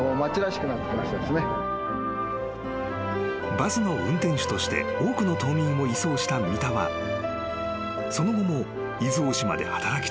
［バスの運転手として多くの島民を移送した三田はその後も伊豆大島で働き続け